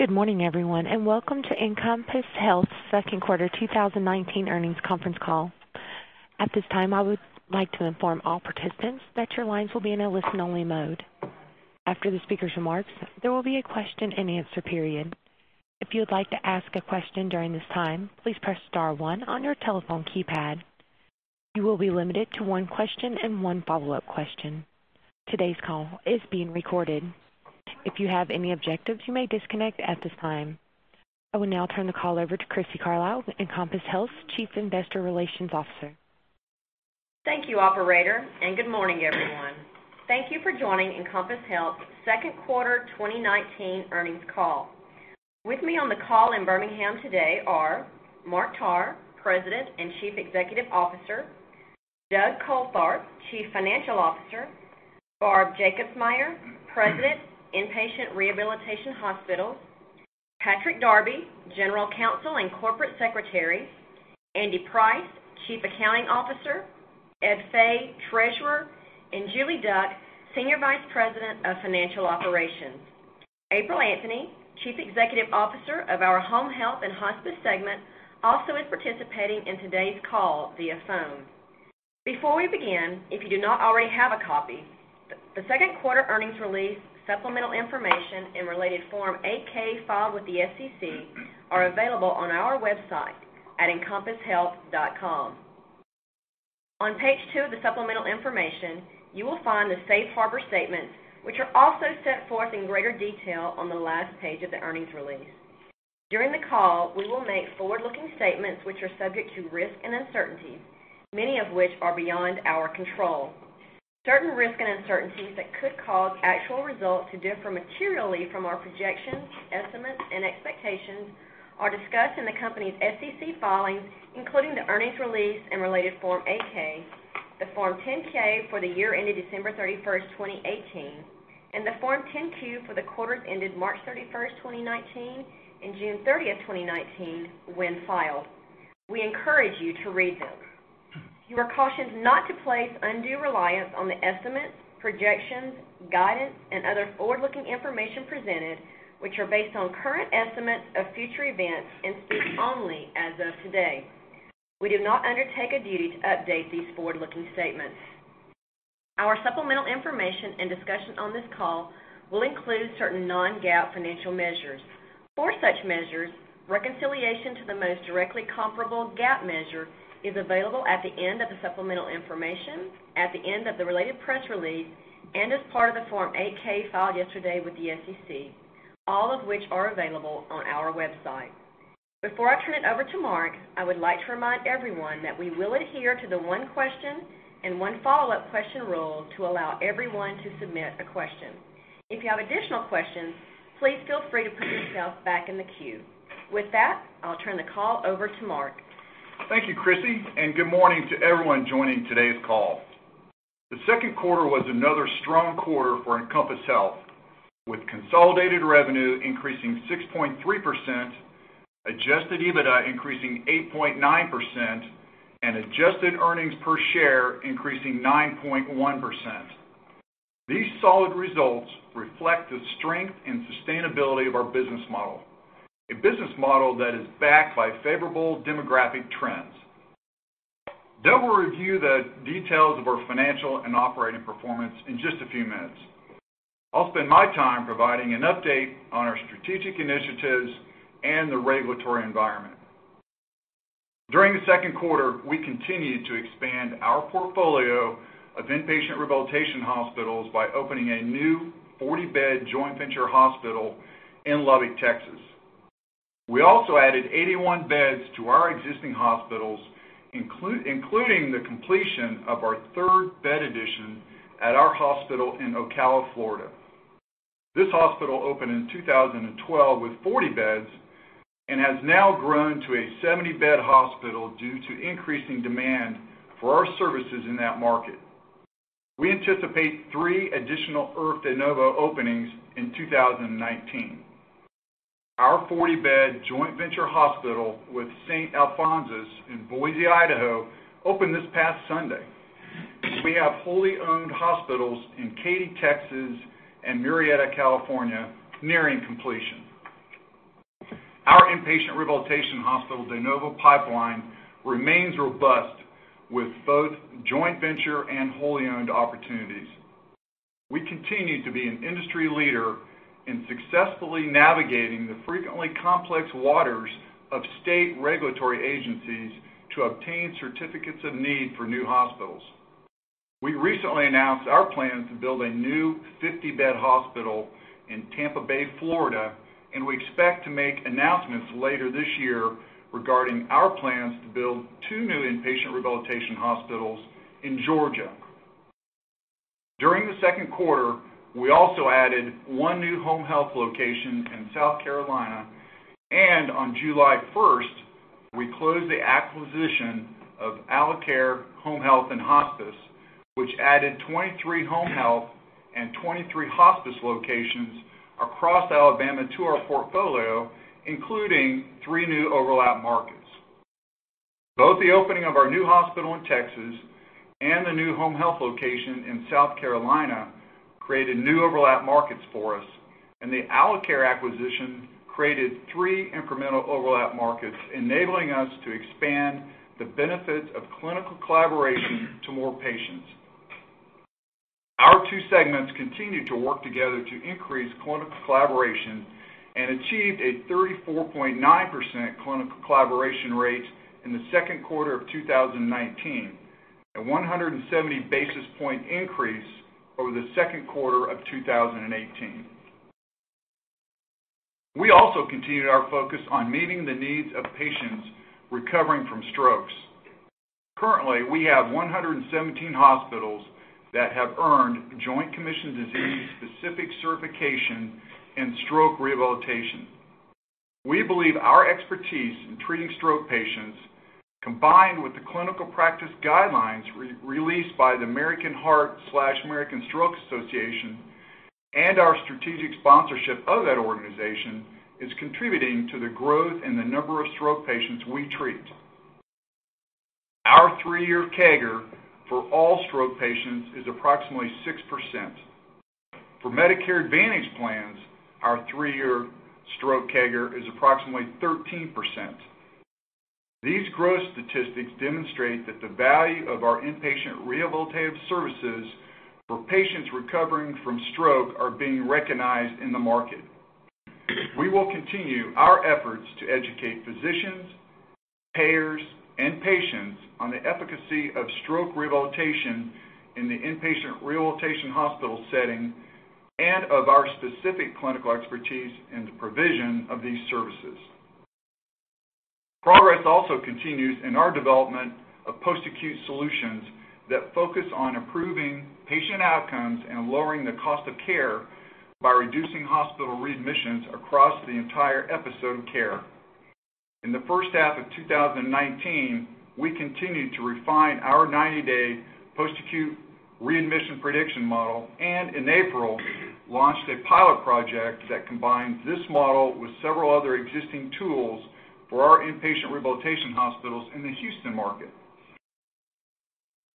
Good morning everyone, welcome to Encompass Health second quarter 2019 earnings conference call. At this time, I would like to inform all participants that your lines will be in a listen-only mode. After the speaker's remarks, there will be a question-and-answer period. If you would like to ask a question during this time, please press star one on your telephone keypad. You will be limited to one question and one follow-up question. Today's call is being recorded. If you have any objections, you may disconnect at this time. I will now turn the call over to Crissy Carlisle, Encompass Health Chief Investor Relations Officer. Thank you, operator, and good morning everyone. Thank you for joining Encompass Health second quarter 2019 earnings call. With me on the call in Birmingham today are Mark Tarr, President and Chief Executive Officer, Doug Coltharp, Chief Financial Officer, Barb Jacobsmeyer, President Inpatient Rehabilitation Hospitals, Patrick Darby, General Counsel and Corporate Secretary, Andy Price, Chief Accounting Officer, Ed Fay, Treasurer, and Julie Duck, Senior Vice President of Financial Operations. April Anthony, Chief Executive Officer of our Home Health and Hospice segment, also is participating in today's call via phone. Before we begin, if you do not already have a copy, the second quarter earnings release, supplemental information and related Form 8-K filed with the SEC are available on our website at encompasshealth.com. On page two of the supplemental information, you will find the safe harbor statements, which are also set forth in greater detail on the last page of the earnings release. During the call, we will make forward-looking statements which are subject to risk and uncertainty, many of which are beyond our control. Certain risks and uncertainties that could cause actual results to differ materially from our projections, estimates and expectations are discussed in the company's SEC filings, including the earnings release and related Form 8-K, the Form 10-K for the year ended December 31st, 2018, and the Form 10-Q for the quarters ended March 31st, 2019, and June 30th, 2019, when filed. We encourage you to read them. You are cautioned not to place undue reliance on the estimates, projections, guidance and other forward-looking information presented, which are based on current estimates of future events and speak only as of today. We do not undertake a duty to update these forward-looking statements. Our supplemental information and discussion on this call will include certain non-GAAP financial measures. For such measures, reconciliation to the most directly comparable GAAP measure is available at the end of the supplemental information, at the end of the related press release, and as part of the Form 8-K filed yesterday with the SEC, all of which are available on our website. Before I turn it over to Mark, I would like to remind everyone that we will adhere to the one question and one follow-up question rule to allow everyone to submit a question. If you have additional questions, please feel free to put yourself back in the queue. With that, I'll turn the call over to Mark. Thank you, Crissy, and good morning to everyone joining today's call. The second quarter was another strong quarter for Encompass Health, with consolidated revenue increasing 6.3%, adjusted EBITDA increasing 8.9% and adjusted EPS increasing 9.1%. These solid results reflect the strength and sustainability of our business model. A business model that is backed by favorable demographic trends. Doug will review the details of our financial and operating performance in just a few minutes. I'll spend my time providing an update on our strategic initiatives and the regulatory environment. During the second quarter, we continued to expand our portfolio of inpatient rehabilitation hospitals by opening a new 40-bed joint venture hospital in Lubbock, Texas. We also added 81 beds to our existing hospitals, including the completion of our third bed addition at our hospital in Ocala, Florida. This hospital opened in 2012 with 40 beds and has now grown to a 70-bed hospital due to increasing demand for our services in that market. We anticipate three additional IRF de novo openings in 2019. Our 40-bed joint venture hospital with Saint Alphonsus in Boise, Idaho, opened this past Sunday. We have wholly owned hospitals in Katy, Texas and Murrieta, California, nearing completion. Our inpatient rehabilitation hospital de novo pipeline remains robust with both joint venture and wholly owned opportunities. We continue to be an industry leader in successfully navigating the frequently complex waters of state regulatory agencies to obtain certificates of need for new hospitals. We recently announced our plan to build a new 50-bed hospital in Tampa Bay, Florida, and we expect to make announcements later this year regarding our plans to build two new inpatient rehabilitation hospitals in Georgia. During the second quarter, we also added one new home health location in South Carolina, and on July 1st, we closed the acquisition of Alacare Home Health & Hospice, which added 23 home health and 23 hospice locations across Alabama to our portfolio, including three new overlap markets. Both the opening of our new hospital in Texas and the new home health location in South Carolina created new overlap markets for us, and the Alacare acquisition created three incremental overlap markets, enabling us to expand the benefits of clinical collaboration to more patients. Our two segments continued to work together to increase clinical collaboration and achieved a 34.9% clinical collaboration rate in the second quarter of 2019, a 170 basis point increase over the second quarter of 2018. We also continued our focus on meeting the needs of patients recovering from strokes. Currently, we have 117 hospitals that have earned Joint Commission disease-specific certification in stroke rehabilitation. We believe our expertise in treating stroke patients, combined with the clinical practice guidelines released by the American Heart Association/American Stroke Association and our strategic sponsorship of that organization, is contributing to the growth in the number of stroke patients we treat. Our three-year CAGR for all stroke patients is approximately 6%. For Medicare Advantage plans, our three-year stroke CAGR is approximately 13%. These growth statistics demonstrate that the value of our inpatient rehabilitative services for patients recovering from stroke are being recognized in the market. We will continue our efforts to educate physicians, payers, and patients on the efficacy of stroke rehabilitation in the inpatient rehabilitation hospital setting and of our specific clinical expertise in the provision of these services. Progress also continues in our development of post-acute solutions that focus on improving patient outcomes and lowering the cost of care by reducing hospital readmissions across the entire episode of care. In the first half of 2019, we continued to refine our 90-day post-acute readmission prediction model and, in April, launched a pilot project that combines this model with several other existing tools for our inpatient rehabilitation hospitals in the Houston market.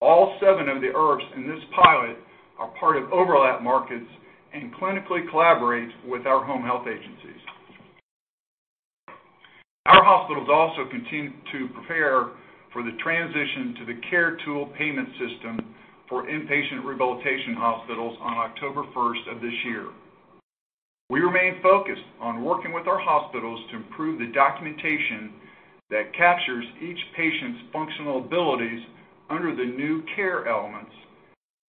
All seven of the IRFs in this pilot are part of overlap markets and clinically collaborate with our home health agencies. Our hospitals also continue to prepare for the transition to the CARE Tool payment system for inpatient rehabilitation hospitals on October 1st of this year. We remain focused on working with our hospitals to improve the documentation that captures each patient's functional abilities under the new care elements,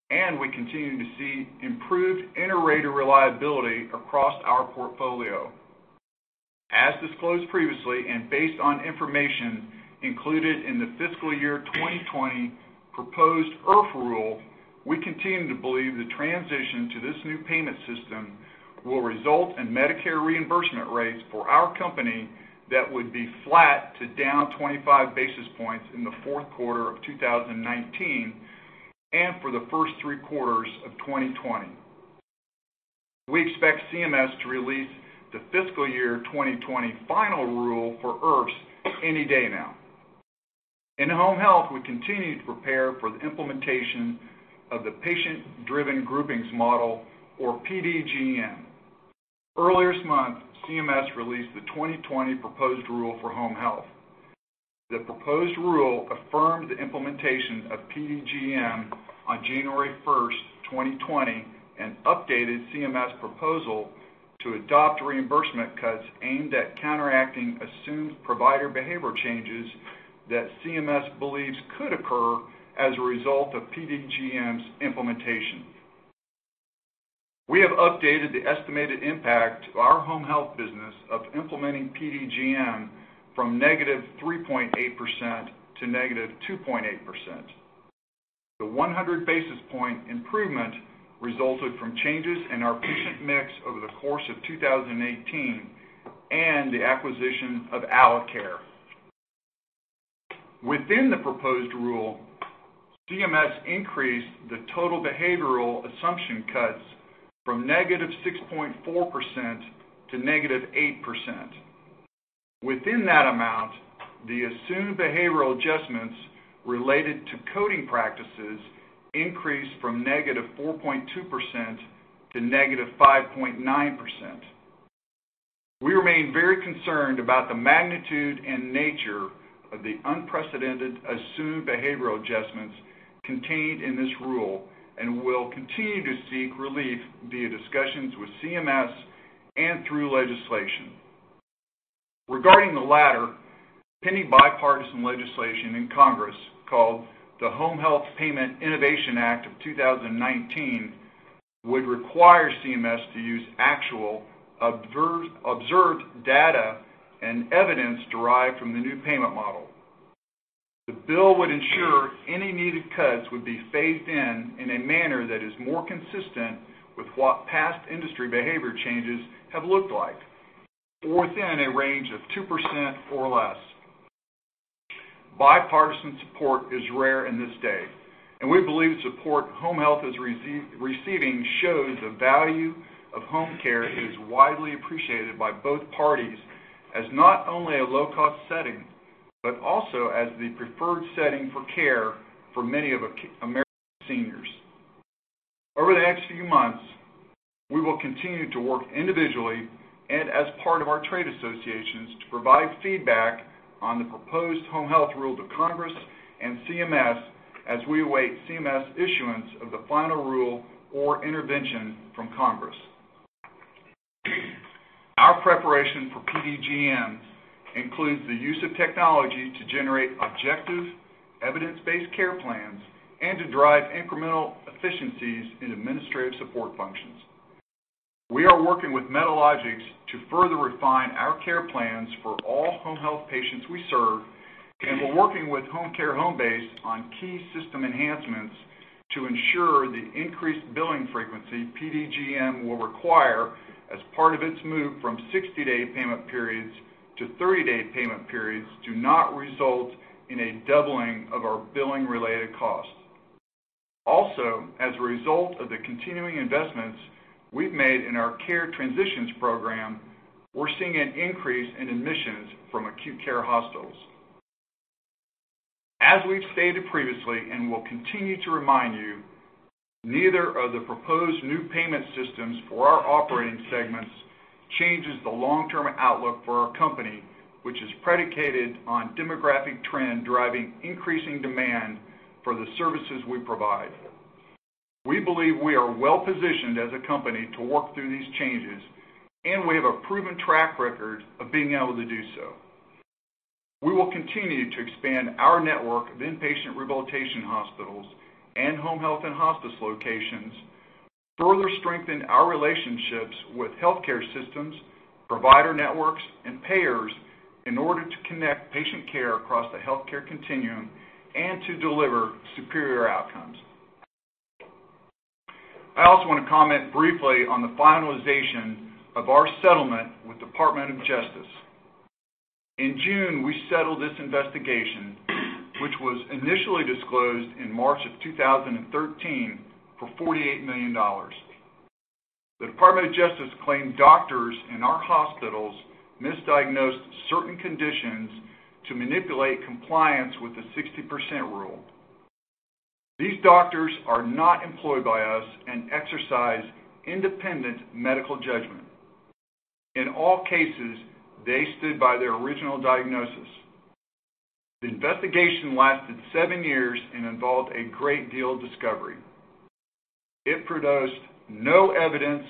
and we continue to see improved inter-rater reliability across our portfolio. As disclosed previously and based on information included in the fiscal year 2020 proposed IRF rule, we continue to believe the transition to this new payment system will result in Medicare reimbursement rates for our company that would be flat to down 25 basis points in the fourth quarter of 2019 and for the first three quarters of 2020. We expect CMS to release the fiscal year 2020 final rule for IRFs any day now. In home health, we continue to prepare for the implementation of the Patient-Driven Groupings Model or PDGM. Earlier this month, CMS released the 2020 proposed rule for home health. The proposed rule affirmed the implementation of PDGM on January 1st, 2020, an updated CMS proposal to adopt reimbursement cuts aimed at counteracting assumed provider behavior changes that CMS believes could occur as a result of PDGM's implementation. We have updated the estimated impact to our home health business of implementing PDGM from -3.8% to -2.8%. The 100-basis point improvement resulted from changes in our patient mix over the course of 2018 and the acquisition of Alacare. Within the proposed rule, CMS increased the total behavioral assumption cuts from -6.4% to -8%. Within that amount, the assumed behavioral adjustments related to coding practices increased from -4.2% to -5.9%. We remain very concerned about the magnitude and nature of the unprecedented assumed behavioral adjustments contained in this rule and will continue to seek relief via discussions with CMS and through legislation. Regarding the latter, pending bipartisan legislation in Congress called the Home Health Payment Innovation Act of 2019 would require CMS to use actual observed data and evidence derived from the new payment model. The bill would ensure any needed cuts would be phased in in a manner that is more consistent with what past industry behavior changes have looked like or within a range of 2% or less. Bipartisan support is rare in this day. We believe the support home health is receiving shows the value of home care is widely appreciated by both parties as not only a low-cost setting, but also as the preferred setting for care for many of American seniors. Over the next few months, we will continue to work individually and as part of our trade associations to provide feedback on the proposed home health rules of Congress and CMS as we await CMS issuance of the final rule or intervention from Congress. Our preparation for PDGM includes the use of technology to generate objective, evidence-based care plans and to drive incremental efficiencies in administrative support functions. We are working with Medalogix to further refine our care plans for all home health patients we serve, and we're working with HomeCare HomeBase on key system enhancements to ensure the increased billing frequency PDGM will require as part of its move from 60-day payment periods to 30-day payment periods do not result in a doubling of our billing related costs. As a result of the continuing investments we've made in our Care Transitions Program, we're seeing an increase in admissions from acute care hospitals. As we've stated previously and will continue to remind you, neither of the proposed new payment systems for our operating segments changes the long-term outlook for our company, which is predicated on demographic trend driving increasing demand for the services we provide. We believe we are well-positioned as a company to work through these changes, and we have a proven track record of being able to do so. We will continue to expand our network of inpatient rehabilitation hospitals and home health and hospice locations, further strengthen our relationships with healthcare systems, provider networks, and payers in order to connect patient care across the healthcare continuum and to deliver superior outcomes. I also want to comment briefly on the finalization of our settlement with Department of Justice. In June, we settled this investigation, which was initially disclosed in March of 2013 for $48 million. The Department of Justice claimed doctors in our hospitals misdiagnosed certain conditions to manipulate compliance with the 60% rule. These doctors are not employed by us and exercise independent medical judgment. In all cases, they stood by their original diagnosis. The investigation lasted seven years and involved a great deal of discovery. It produced no evidence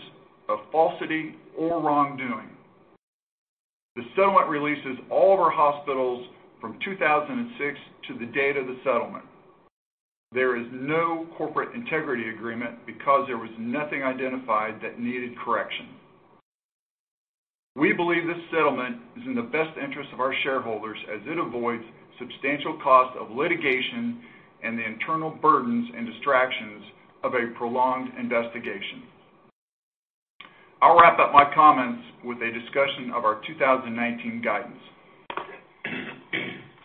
of falsity or wrongdoing. The settlement releases all of our hospitals from 2006 to the date of the settlement. There is no corporate integrity agreement because there was nothing identified that needed correction. We believe this settlement is in the best interest of our shareholders as it avoids substantial cost of litigation and the internal burdens and distractions of a prolonged investigation. I'll wrap up my comments with a discussion of our 2019 guidance.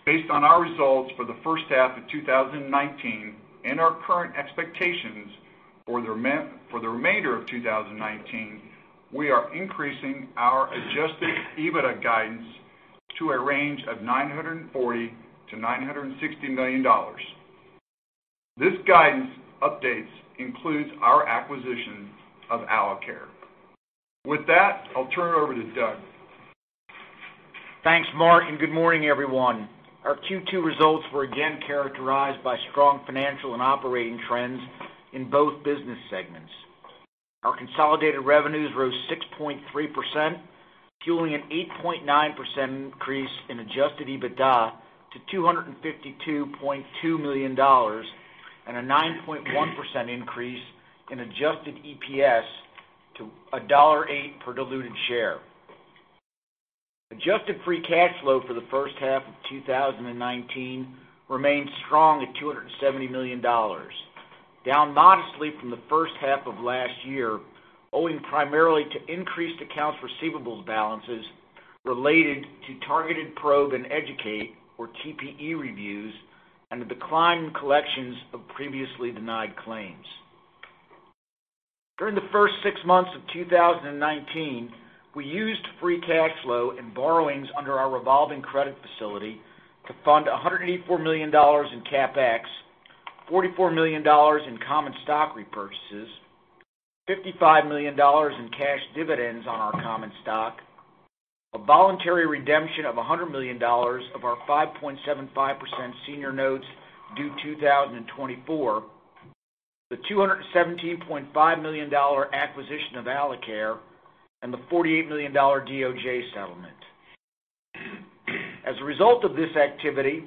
Based on our results for the first half of 2019 and our current expectations for the remainder of 2019, we are increasing our adjusted EBITDA guidance to a range of $940 million-$960 million. This guidance updates includes our acquisition of Alacare. With that, I'll turn it over to Doug. Thanks, Mark. Good morning, everyone. Our Q2 results were again characterized by strong financial and operating trends in both business segments. Our consolidated revenues rose 6.3%, fueling an 8.9% increase in adjusted EBITDA to $252.2 million and a 9.1% increase in adjusted EPS to $1.08 per diluted share. Adjusted free cash flow for the first half of 2019 remained strong at $270 million, down modestly from the first half of last year, owing primarily to increased accounts receivables balances related to targeted probe and educate, or TPE reviews, and the decline in collections of previously denied claims. During the first six months of 2019, we used free cash flow and borrowings under our revolving credit facility to fund $184 million in CapEx, $44 million in common stock repurchases, $55 million in cash dividends on our common stock, a voluntary redemption of $100 million of our 5.75% senior notes due 2024, the $217.5 million acquisition of Alacare, and the $48 million DOJ settlement. As a result of this activity,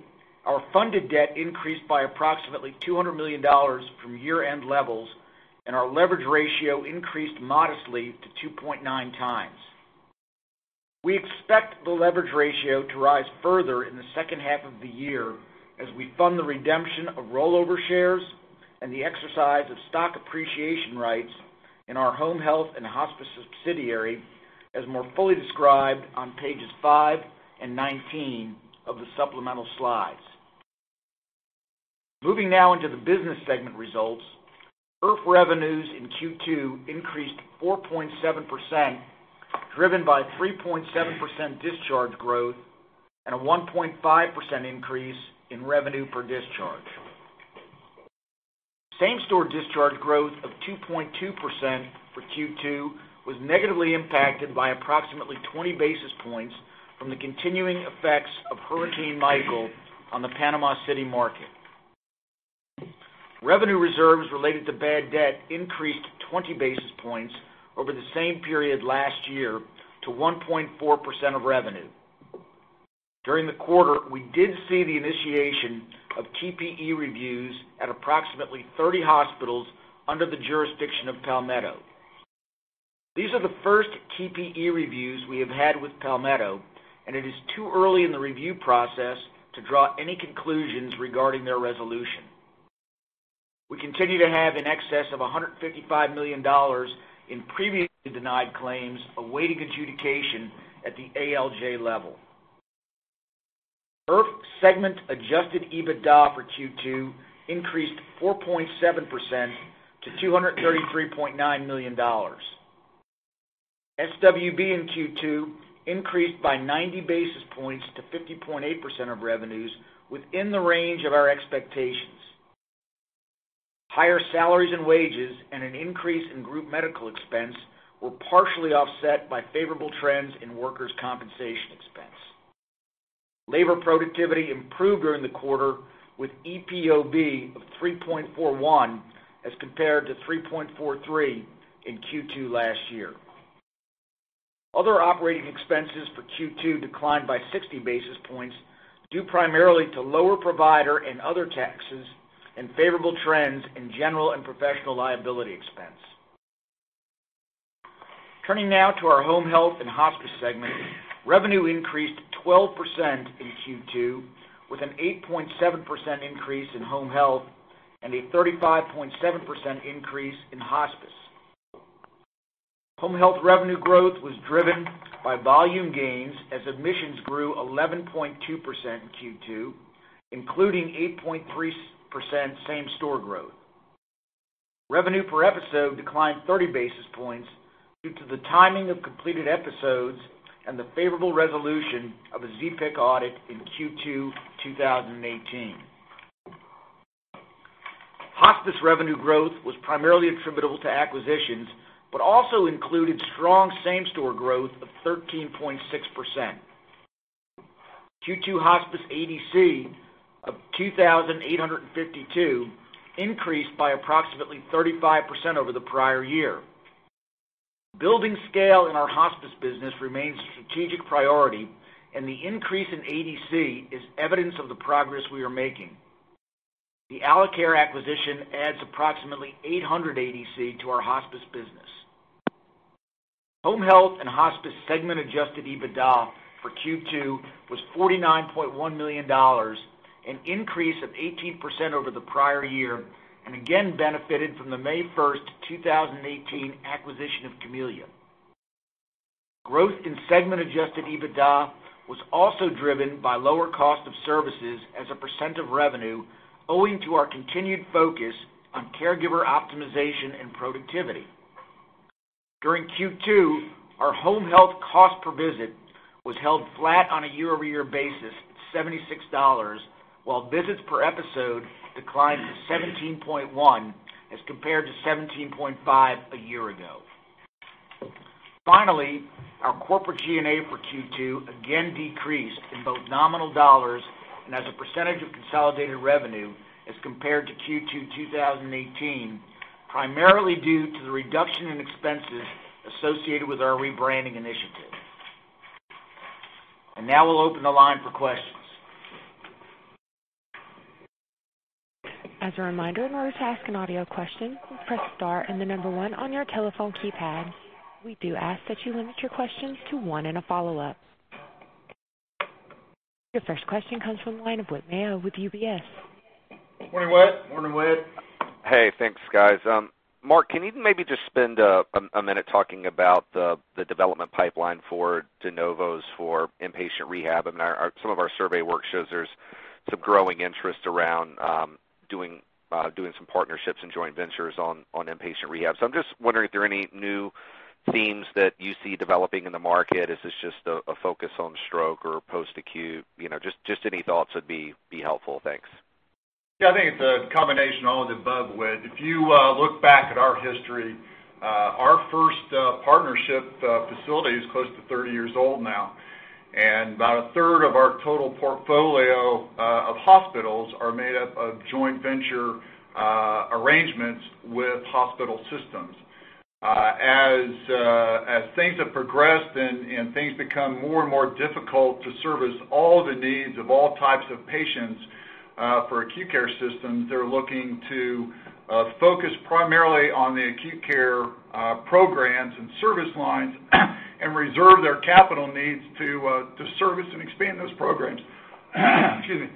our funded debt increased by approximately $200 million from year-end levels, and our leverage ratio increased modestly to 2.9 times. We expect the leverage ratio to rise further in the second half of the year as we fund the redemption of rollover shares and the exercise of stock appreciation rights in our Home Health and Hospice subsidiary, as more fully described on pages five and 19 of the supplemental slides. Moving now into the business segment results. IRF revenues in Q2 increased 4.7%, driven by 3.7% discharge growth and a 1.5% increase in revenue per discharge. Same-store discharge growth of 2.2% for Q2 was negatively impacted by approximately 20 basis points from the continuing effects of Hurricane Michael on the Panama City market. Revenue reserves related to bad debt increased 20 basis points over the same period last year to 1.4% of revenue. During the quarter, we did see the initiation of TPE reviews at approximately 30 hospitals under the jurisdiction of Palmetto. These are the first TPE reviews we have had with Palmetto, and it is too early in the review process to draw any conclusions regarding their resolution. We continue to have in excess of $155 million in previously denied claims, awaiting adjudication at the ALJ level. IRF segment adjusted EBITDA for Q2 increased 4.7% to $233.9 million. SWB in Q2 increased by 90 basis points to 50.8% of revenues within the range of our expectations. Higher salaries and wages and an increase in group medical expense were partially offset by favorable trends in workers' compensation expense. Labor productivity improved during the quarter with EPOB of 3.41 as compared to 3.43 in Q2 last year. Other operating expenses for Q2 declined by 60 basis points, due primarily to lower provider and other taxes and favorable trends in general and professional liability expense. Turning now to our Home Health and Hospice segment. Revenue increased 12% in Q2, with an 8.7% increase in home health and a 35.7% increase in hospice. Home health revenue growth was driven by volume gains as admissions grew 11.2% in Q2, including 8.3% same-store growth. Revenue per episode declined 30 basis points due to the timing of completed episodes and the favorable resolution of a ZPIC audit in Q2 2018. Hospice revenue growth was primarily attributable to acquisitions, but also included strong same-store growth of 13.6%. Q2 hospice ADC of 2,852 increased by approximately 35% over the prior year. Building scale in our hospice business remains a strategic priority, and the increase in ADC is evidence of the progress we are making. The Alacare acquisition adds approximately 800 ADC to our hospice business. Home health and hospice segment adjusted EBITDA for Q2 was $49.1 million, an increase of 18% over the prior year, and again benefited from the May 1st, 2018, acquisition of Camellia. Growth in segment adjusted EBITDA was also driven by lower cost of services as a % of revenue, owing to our continued focus on caregiver optimization and productivity. During Q2, our home health cost per visit was held flat on a year-over-year basis at $76, while visits per episode declined to 17.1 as compared to 17.5 a year ago. Our corporate G&A for Q2 again decreased in both nominal dollars and as a % of consolidated revenue as compared to Q2 2018, primarily due to the reduction in expenses associated with our rebranding initiative. Now we'll open the line for questions. As a reminder, in order to ask an audio question, please press star and the number one on your telephone keypad. We do ask that you limit your questions to one and a follow-up. Your first question comes from the line of Whit Mayo with UBS. Morning, Whit. Morning, Whit. Hey, thanks guys. Mark, can you maybe just spend a minute talking about the development pipeline for de novos for inpatient rehab? Some of our survey work shows there's some growing interest around doing some partnerships and joint ventures on inpatient rehab. I'm just wondering if there are any new themes that you see developing in the market? Is this just a focus on stroke or post-acute? Just any thoughts would be helpful. Thanks. Yeah, I think it's a combination of all of the above, Whit. If you look back at our history, our first partnership facility is close to 30 years old now. About a third of our total portfolio of hospitals are made up of joint venture arrangements with hospital systems. As things have progressed and things become more and more difficult to service all the needs of all types of patients for acute care systems, they're looking to focus primarily on the acute care programs and service lines and reserve their capital needs to service and expand those programs. Excuse me.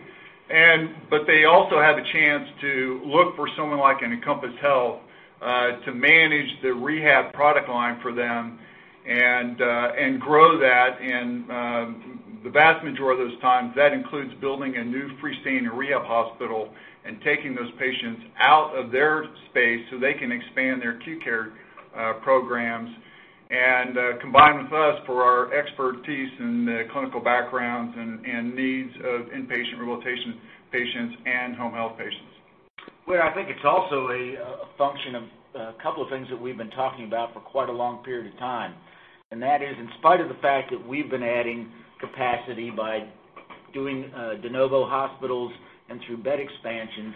They also have a chance to look for someone like an Encompass Health to manage the rehab product line for them and grow that. The vast majority of those times, that includes building a new freestanding rehab hospital and taking those patients out of their space so they can expand their acute care programs and combine with us for our expertise and the clinical backgrounds and needs of inpatient rehabilitation patients and home health patients. Well, I think it's also a function of a couple of things that we've been talking about for quite a long period of time. That is, in spite of the fact that we've been adding capacity by doing de novo hospitals and through bed expansion,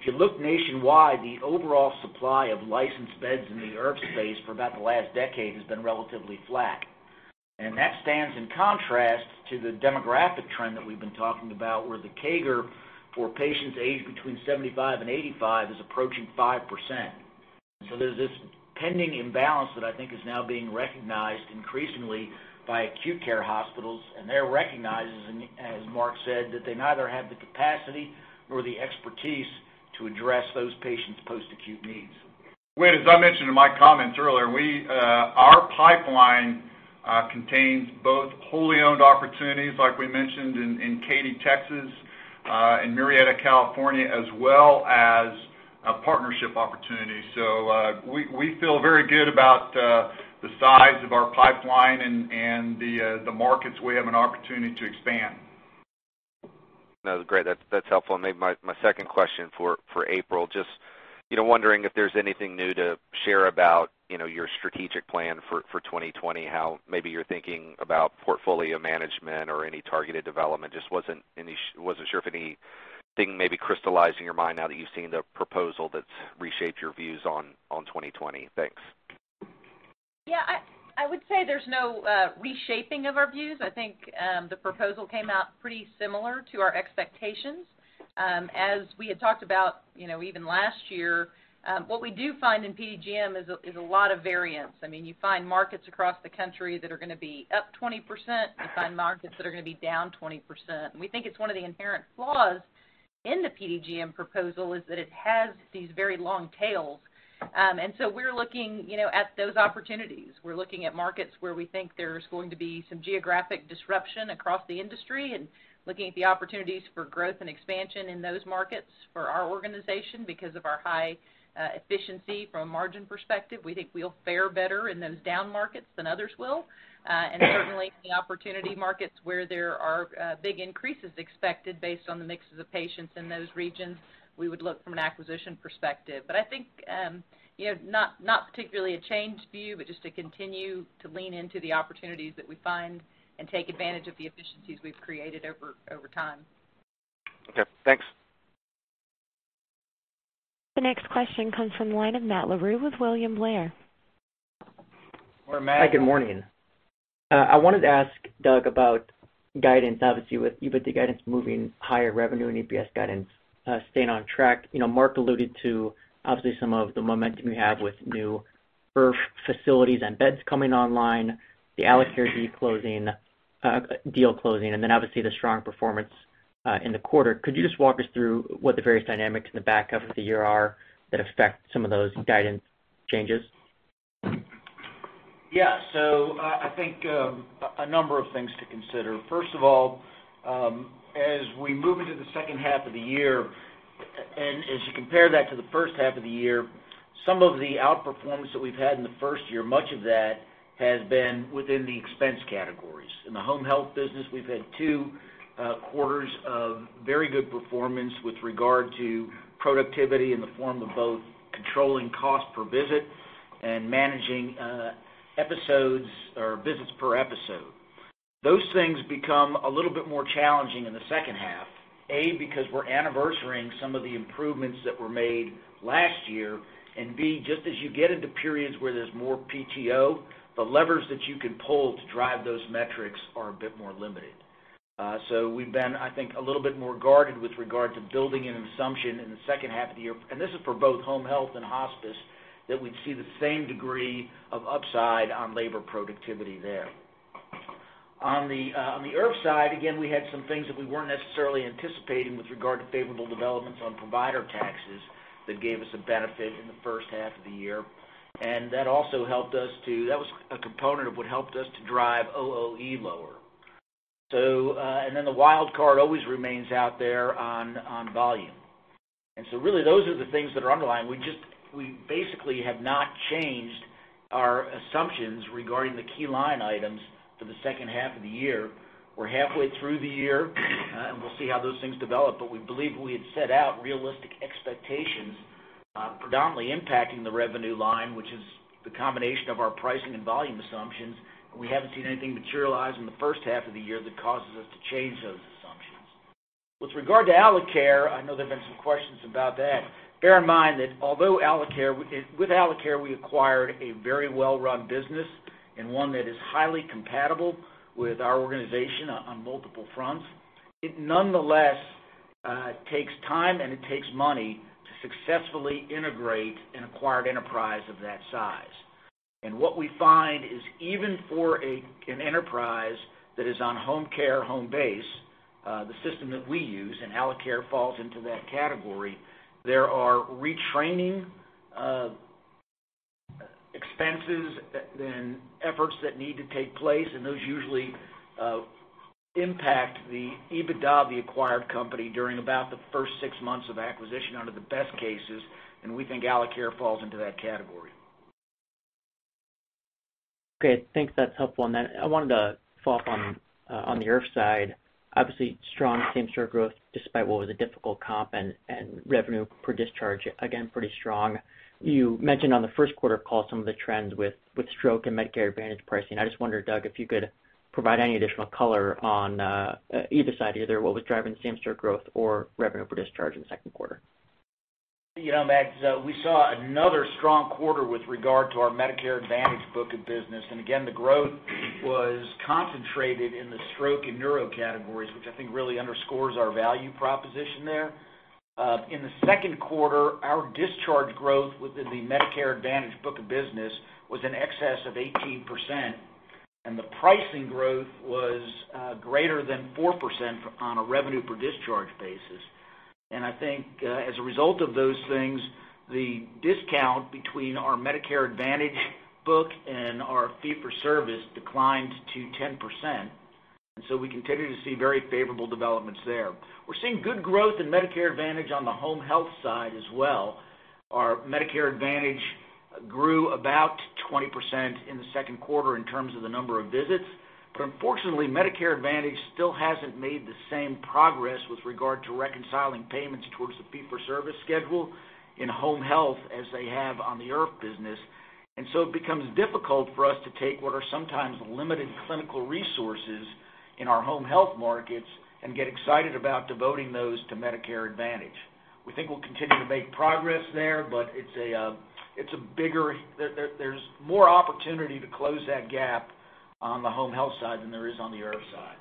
if you look nationwide, the overall supply of licensed beds in the IRF space for about the last decade has been relatively flat. That stands in contrast to the demographic trend that we've been talking about, where the CAGR for patients aged between 75 and 85 is approaching 5%. There's this pending imbalance that I think is now being recognized increasingly by acute care hospitals. They're recognizing, as Mark said, that they neither have the capacity nor the expertise to address those patients' post-acute needs. As I mentioned in my comments earlier, our pipeline contains both wholly owned opportunities, like we mentioned in Katy, Texas, and Murrieta, California, as well as partnership opportunities. We feel very good about the size of our pipeline and the markets we have an opportunity to expand. No, great. That's helpful. Maybe my second question for April, just wondering if there's anything new to share about your strategic plan for 2020, how maybe you're thinking about portfolio management or any targeted development. Just wasn't sure if anything maybe crystallized in your mind now that you've seen the proposal that reshaped your views on 2020. Thanks. I would say there's no reshaping of our views. I think the proposal came out pretty similar to our expectations. As we had talked about even last year, what we do find in PDGM is a lot of variance. You find markets across the country that are going to be up 20%. You find markets that are going to be down 20%. We think it's one of the inherent flaws in the PDGM proposal is that it has these very long tails. We're looking at those opportunities. We're looking at markets where we think there's going to be some geographic disruption across the industry and looking at the opportunities for growth and expansion in those markets for our organization because of our high efficiency from a margin perspective. We think we'll fare better in those down markets than others will. Certainly in the opportunity markets where there are big increases expected based on the mixes of patients in those regions, we would look from an acquisition perspective. I think not particularly a changed view, but just to continue to lean into the opportunities that we find and take advantage of the efficiencies we've created over time. Okay, thanks. The next question comes from the line of Matt LaRue with William Blair. Hi, Matt. Hi, good morning. I wanted to ask Doug about guidance, obviously with EBITDA guidance moving higher revenue and EPS guidance staying on track. Mark alluded to, obviously, some of the momentum you have with new IRF facilities and beds coming online, the Alacare deal closing, and then obviously, the strong performance in the quarter. Could you just walk us through what the various dynamics in the back half of the year are that affect some of those guidance changes? I think a number of things to consider. First of all, as we move into the second half of the year, and as you compare that to the first half of the year, some of the outperformance that we've had in the first year, much of that has been within the expense categories. In the Home Health business, we've had two quarters of very good performance with regard to productivity in the form of both controlling cost per visit and managing episodes or visits per episode. Those things become a little bit more challenging in the second half. A, because we're anniversarying some of the improvements that were made last year, and B, just as you get into periods where there's more PTO, the levers that you can pull to drive those metrics are a bit more limited. We've been, I think, a little bit more guarded with regard to building an assumption in the second half of the year, and this is for both home health and hospice, that we'd see the same degree of upside on labor productivity there. On the IRF side, again, we had some things that we weren't necessarily anticipating with regard to favorable developments on provider taxes that gave us a benefit in the first half of the year. That was a component of what helped us to drive OOE lower. The wild card always remains out there on volume. Those are the things that are underlying. We basically have not changed our assumptions regarding the key line items for the second half of the year. We're halfway through the year, and we'll see how those things develop. We believe we had set out realistic expectations, predominantly impacting the revenue line, which is the combination of our pricing and volume assumptions, and we haven't seen anything materialize in the first half of the year that causes us to change those assumptions. With regard to Alacare, I know there's been some questions about that. Bear in mind that with Alacare, we acquired a very well-run business and one that is highly compatible with our organization on multiple fronts. It nonetheless takes time and it takes money to successfully integrate an acquired enterprise of that size. What we find is even for an enterprise that is on Homecare Homebase, the system that we use, and Alacare falls into that category, there are retraining expenses, then efforts that need to take place, and those usually impact the EBITDA of the acquired company during about the first six months of acquisition under the best cases, and we think Alacare falls into that category. Okay. I think that's helpful. Then I wanted to follow up on the IRF side. Obviously, strong same-store growth despite what was a difficult comp and revenue per discharge, again, pretty strong. You mentioned on the first quarter call some of the trends with stroke and Medicare Advantage pricing. I just wonder, Doug, if you could provide any additional color on either side, either what was driving same-store growth or revenue per discharge in the second quarter. Matt, we saw another strong quarter with regard to our Medicare Advantage book of business. Again, the growth was concentrated in the stroke and neuro categories, which I think really underscores our value proposition there. In the second quarter, our discharge growth within the Medicare Advantage book of business was in excess of 18%, and the pricing growth was greater than 4% on a revenue per discharge basis. I think as a result of those things, the discount between our Medicare Advantage book and our fee-for-service declined to 10%. So we continue to see very favorable developments there. We're seeing good growth in Medicare Advantage on the home health side as well. Our Medicare Advantage grew about 20% in the second quarter in terms of the number of visits. Unfortunately, Medicare Advantage still hasn't made the same progress with regard to reconciling payments towards the fee-for-service schedule in home health as they have on the IRF business. It becomes difficult for us to take what are sometimes limited clinical resources in our home health markets and get excited about devoting those to Medicare Advantage. We think we'll continue to make progress there, but there's more opportunity to close that gap on the home health side than there is on the IRF side.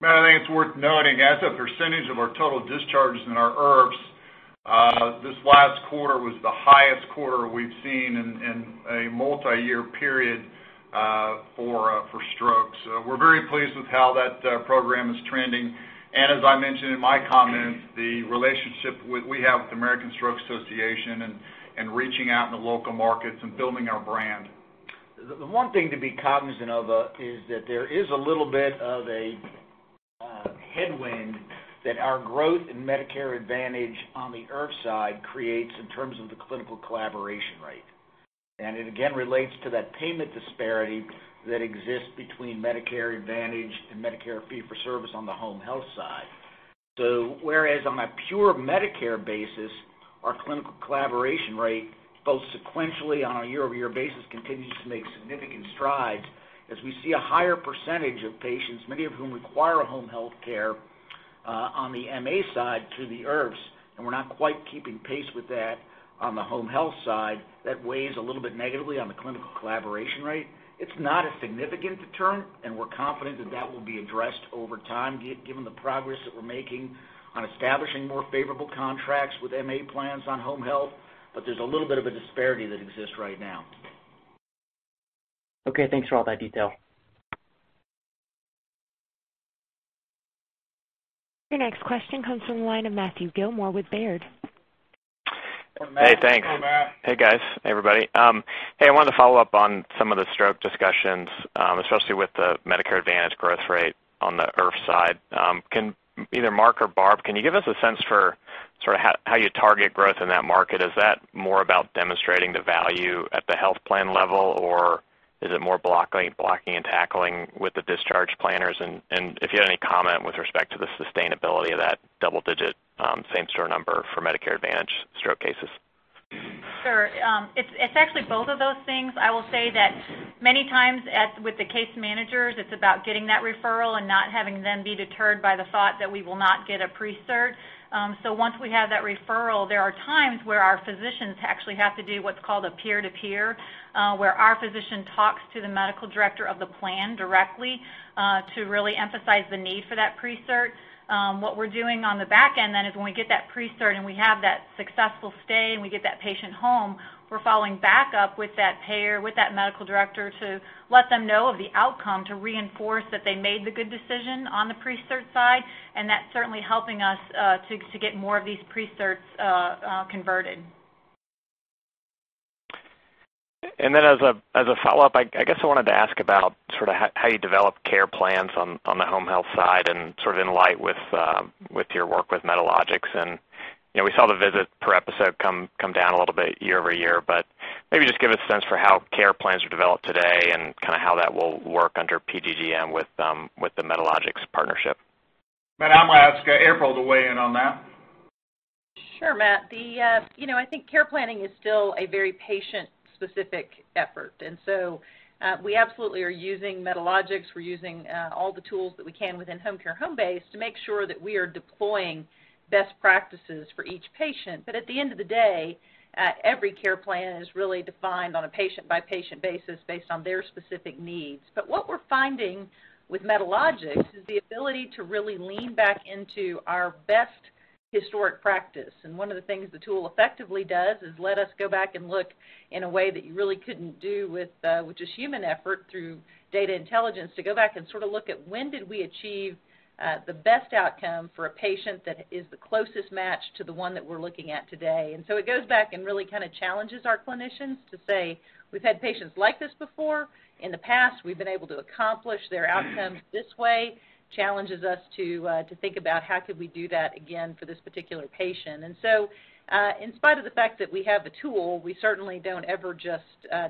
Matt, I think it's worth noting, as a percentage of our total discharges in our IRFs, this last quarter was the highest quarter we've seen in a multi-year period for strokes. We're very pleased with how that program is trending. As I mentioned in my comments, the relationship we have with American Stroke Association and reaching out in the local markets and building our brand. The one thing to be cognizant of is that there is a little bit of a headwind that our growth in Medicare Advantage on the IRF side creates in terms of the clinical collaboration rate. It again relates to that payment disparity that exists between Medicare Advantage and Medicare fee-for-service on the home health side. Whereas on a pure Medicare basis, our clinical collaboration rate, both sequentially on a year-over-year basis, continues to make significant strides as we see a higher percentage of patients, many of whom require home health care on the MA side to the IRFs, and we're not quite keeping pace with that on the home health side. That weighs a little bit negatively on the clinical collaboration rate. It's not a significant deterrent, and we're confident that will be addressed over time, given the progress that we're making on establishing more favorable contracts with MA plans on home health, but there's a little bit of a disparity that exists right now. Okay, thanks for all that detail. Your next question comes from the line of Matthew Gillmor with Baird. Hey, Matt. Hey, thanks. Hey, guys. Hey, everybody. I wanted to follow up on some of the stroke discussions, especially with the Medicare Advantage growth rate on the IRF side. Either Mark or Barb, can you give us a sense for how you target growth in that market? Is that more about demonstrating the value at the health plan level, or is it more blocking and tackling with the discharge planners, and if you have any comment with respect to the sustainability of that double-digit same-store number for Medicare Advantage stroke cases? Sure. It's actually both of those things. I will say that many times with the case managers, it's about getting that referral and not having them be deterred by the thought that we will not get a pre-cert. Once we have that referral, there are times where our physicians actually have to do what's called a peer-to-peer, where our physician talks to the medical director of the plan directly to really emphasize the need for that pre-cert. What we're doing on the back end then is when we get that pre-cert and we have that successful stay and we get that patient home, we're following back up with that payer, with that medical director to let them know of the outcome to reinforce that they made the good decision on the pre-cert side, and that's certainly helping us to get more of these pre-certs converted. As a follow-up, I guess I wanted to ask about how you develop care plans on the home health side and in light with your work with Medalogix and we saw the visit per episode come down a little bit year-over-year, but maybe just give a sense for how care plans are developed today and how that will work under PDGM with the Medalogix partnership? Matt, I'm going to ask April to weigh in on that. Sure, Matt. I think care planning is still a very patient-specific effort. We absolutely are using Medalogix. We're using all the tools that we can within Homecare Homebase to make sure that we are deploying best practices for each patient. At the end of the day, every care plan is really defined on a patient-by-patient basis based on their specific needs. What we're finding with Medalogix is the ability to really lean back into our best historic practice. One of the things the tool effectively does is let us go back and look in a way that you really couldn't do with just human effort through data intelligence, to go back and sort of look at when did we achieve the best outcome for a patient that is the closest match to the one that we're looking at today. It goes back and really kind of challenges our clinicians to say, "We've had patients like this before. In the past, we've been able to accomplish their outcomes this way," challenges us to think about how could we do that again for this particular patient. In spite of the fact that we have the tool, we certainly don't ever just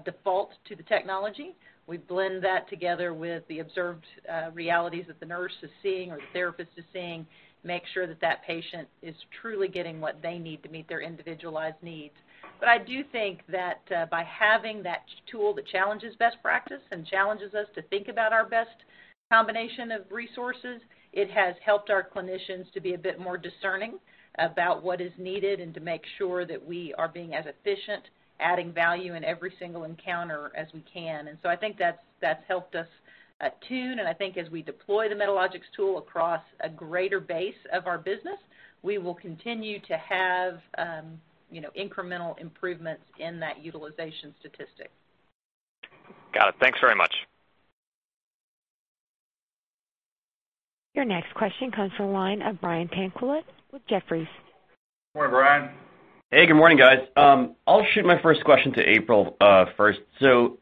default to the technology. We blend that together with the observed realities that the nurse is seeing or the therapist is seeing, make sure that that patient is truly getting what they need to meet their individualized needs. I do think that by having that tool that challenges best practice and challenges us to think about our best combination of resources, it has helped our clinicians to be a bit more discerning about what is needed and to make sure that we are being as efficient, adding value in every single encounter as we can. I think that's helped us attune, and I think as we deploy the Medalogix tool across a greater base of our business, we will continue to have incremental improvements in that utilization statistic. Got it. Thanks very much. Your next question comes from the line of Brian Tanquilut with Jefferies. Good morning, Brian. Hey, good morning, guys. I'll shoot my first question to April first.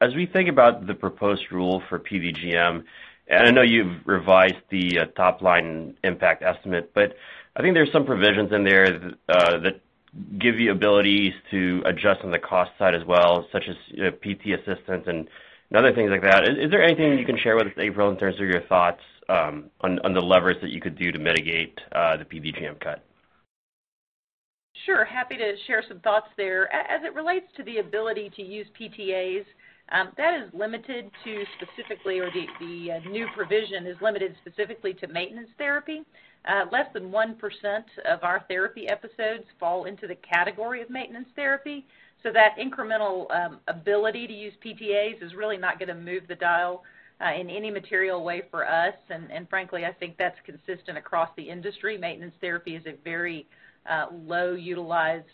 As we think about the proposed rule for PDGM, and I know you've revised the top-line impact estimate, but I think there's some provisions in there that give you abilities to adjust on the cost side as well, such as PT assistants and other things like that. Is there anything you can share with us, April, in terms of your thoughts on the levers that you could do to mitigate the PDGM cut? Sure. Happy to share some thoughts there. As it relates to the ability to use PTAs, that is limited to specifically, or the new provision is limited specifically to maintenance therapy. Less than 1% of our therapy episodes fall into the category of maintenance therapy, so that incremental ability to use PTAs is really not going to move the dial in any material way for us, and frankly, I think that's consistent across the industry. Maintenance therapy is a very low-utilized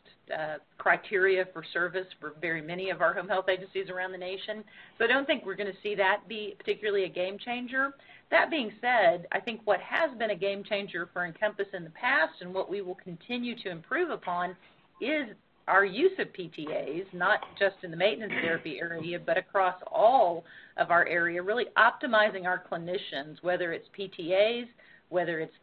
criteria for service for very many of our home health agencies around the nation. I don't think we're going to see that be particularly a game changer. That being said, I think what has been a game changer for Encompass in the past and what we will continue to improve upon is our use of PTAs, not just in the maintenance therapy area, but across all of our area, really optimizing our clinicians, whether it's PTAs, whether it's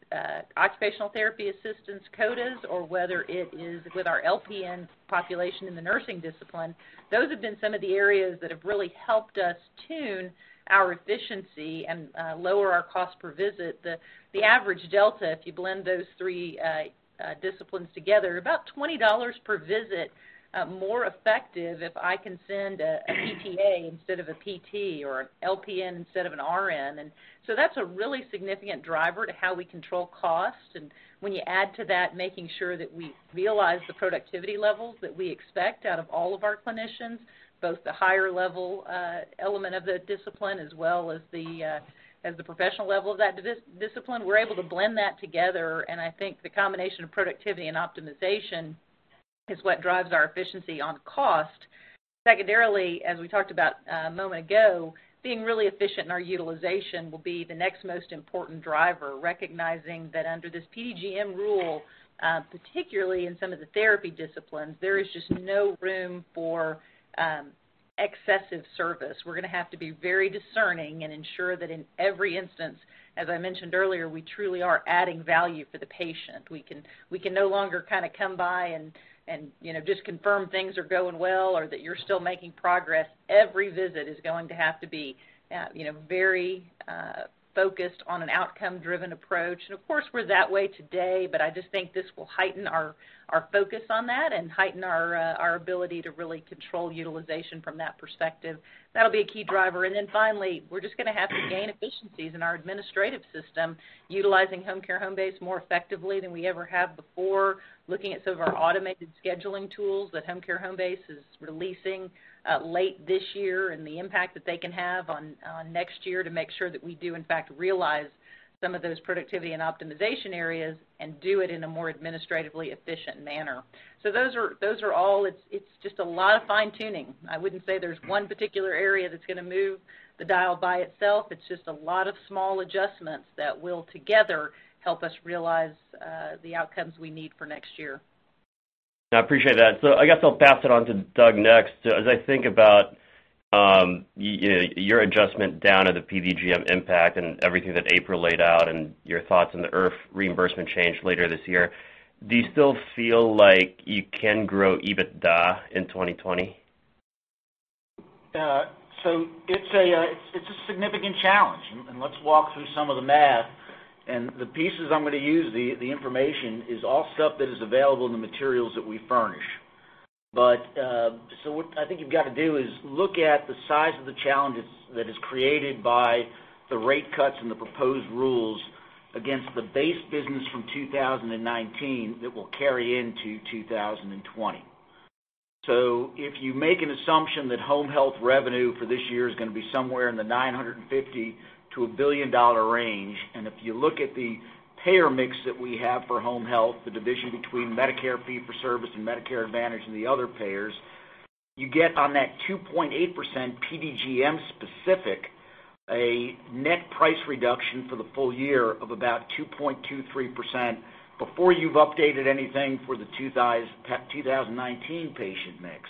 occupational therapy assistants, COTAs, or whether it is with our LPN population in the nursing discipline. Those have been some of the areas that have really helped us tune our efficiency and lower our cost per visit. The average delta, if you blend those three disciplines together, about $20 per visit more effective if I can send a PTA instead of a PT or an LPN instead of an RN. That's a really significant driver to how we control costs. When you add to that, making sure that we realize the productivity levels that we expect out of all of our clinicians, both the higher-level element of the discipline as well as the professional level of that discipline, we're able to blend that together, and I think the combination of productivity and optimization is what drives our efficiency on cost. Secondarily, as we talked about a moment ago, being really efficient in our utilization will be the next most important driver, recognizing that under this PDGM rule, particularly in some of the therapy disciplines, there is just no room for excessive service. We're going to have to be very discerning and ensure that in every instance, as I mentioned earlier, we truly are adding value for the patient. We can no longer come by and just confirm things are going well or that you're still making progress. Every visit is going to have to be very focused on an outcome-driven approach. Of course, we're that way today, but I just think this will heighten our focus on that and heighten our ability to really control utilization from that perspective. That'll be a key driver. Finally, we're just going to have to gain efficiencies in our administrative system, utilizing Homecare Homebase more effectively than we ever have before, looking at some of our automated scheduling tools that Homecare Homebase is releasing late this year and the impact that they can have on next year to make sure that we do in fact realize some of those productivity and optimization areas and do it in a more administratively efficient manner. Those are all, it's just a lot of fine-tuning. I wouldn't say there's one particular area that's going to move the dial by itself. It's just a lot of small adjustments that will together help us realize the outcomes we need for next year. I appreciate that. I guess I'll pass it on to Doug next. As I think about your adjustment down of the PDGM impact and everything that April laid out and your thoughts on the IRF reimbursement change later this year, do you still feel like you can grow EBITDA in 2020? It's a significant challenge, and let's walk through some of the math and the pieces I'm going to use, the information is all stuff that is available in the materials that we furnish. What I think you've got to do is look at the size of the challenge that is created by the rate cuts and the proposed rules against the base business from 2019 that will carry into 2020. If you make an assumption that home health revenue for this year is going to be somewhere in the $950 million-$1 billion range, and if you look at the payer mix that we have for home health, the division between Medicare fee-for-service and Medicare Advantage and the other payers, you get on that 2.8% PDGM specific, a net price reduction for the full year of about 2.23% before you've updated anything for the 2019 patient mix.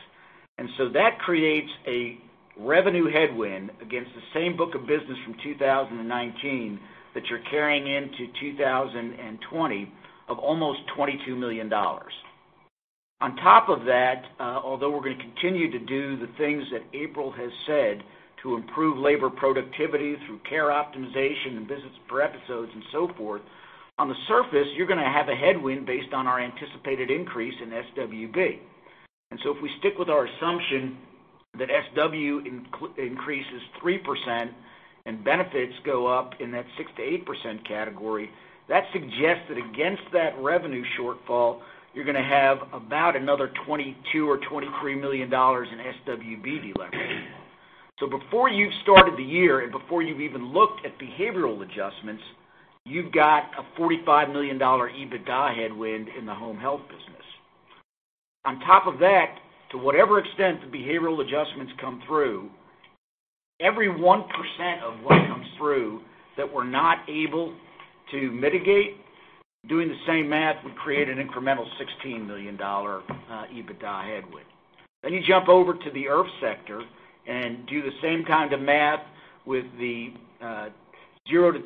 That creates a revenue headwind against the same book of business from 2019 that you're carrying into 2020 of almost $22 million. Although we're going to continue to do the things that April has said to improve labor productivity through care optimization and visits for episodes and so forth, on the surface, you're going to have a headwind based on our anticipated increase in SWB. If we stick with our assumption that SW increases 3% and benefits go up in that 6%-8% category, that suggests that against that revenue shortfall, you're going to have about another $22 or $23 million in SWB delevering. Before you've started the year and before you've even looked at behavioral adjustments, you've got a $45 million EBITDA headwind in the home health business. To whatever extent the behavioral adjustments come through, every 1% of what comes through that we're not able to mitigate, doing the same math would create an incremental $16 million EBITDA headwind. You jump over to the IRF sector and do the same kind of math with the 0%-25%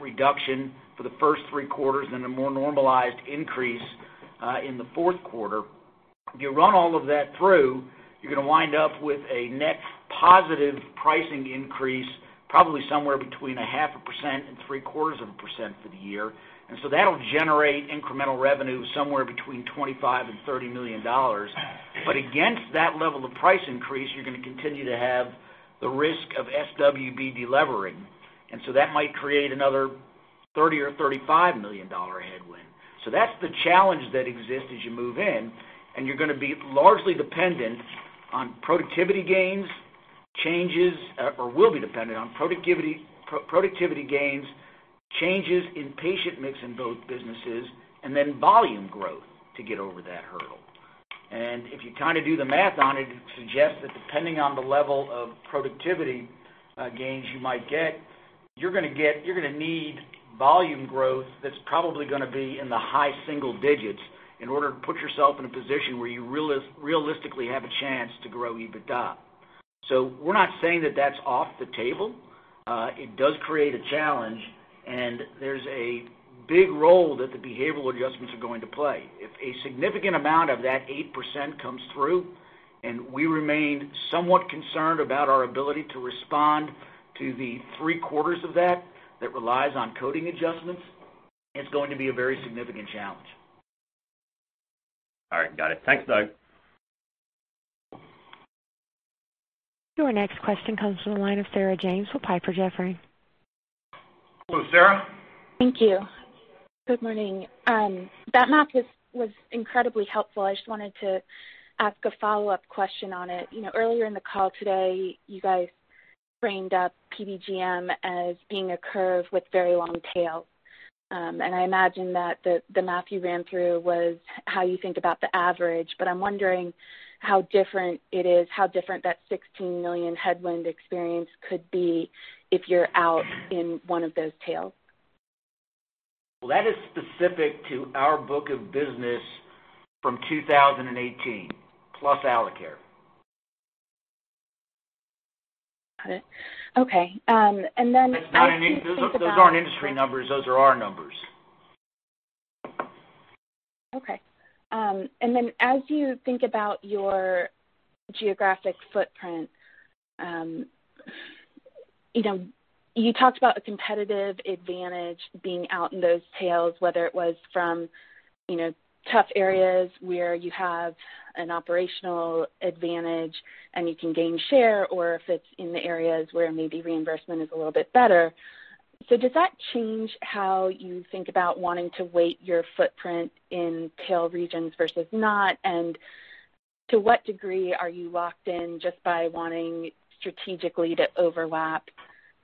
reduction for the first three quarters and a more normalized increase in the fourth quarter. If you run all of that through, you're going to wind up with a net positive pricing increase, probably somewhere between 0.5% and 3/4% for the year. That'll generate incremental revenue somewhere between $25 million and $30 million. Against that level of price increase, you're going to continue to have the risk of SWB delevering. That might create another $30 million or $35 million headwind. That's the challenge that exists as you move in, and you're going to be largely dependent on productivity gains, changes in patient mix in both businesses, and then volume growth to get over that hurdle. If you do the math on it suggests that depending on the level of productivity gains you might get, you're going to need volume growth that's probably going to be in the high single digits in order to put yourself in a position where you realistically have a chance to grow EBITDA. We're not saying that that's off the table. It does create a challenge, and there's a big role that the behavioral adjustments are going to play. If a significant amount of that 8% comes through, and we remain somewhat concerned about our ability to respond to the three-quarters of that relies on coding adjustments, it's going to be a very significant challenge. All right. Got it. Thanks, Doug. Your next question comes from the line of Sarah James with Piper Jaffray. Hello, Sarah. Thank you. Good morning. That math was incredibly helpful. I just wanted to ask a follow-up question on it. Earlier in the call today, you guys framed up PDGM as being a curve with very long tail. I imagine that the math you ran through was how you think about the average. I'm wondering how different it is, how different that $16 million headwind experience could be if you're out in one of those tails. That is specific to our book of business from 2018, plus Alacare. Got it. Okay. Those aren't industry numbers. Those are our numbers. Okay. As you think about your geographic footprint, you talked about a competitive advantage being out in those tails, whether it was from tough areas where you have an operational advantage and you can gain share, or if it's in the areas where maybe reimbursement is a little bit better. Does that change how you think about wanting to weight your footprint in tail regions versus not? To what degree are you locked in just by wanting strategically to overlap